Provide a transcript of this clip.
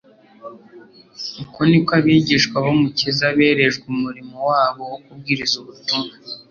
Uko niko abigishwa, b'Umukiza berejwe umurimo wabo wo kubwiriza ubutumwa.